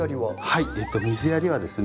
はい水やりはですね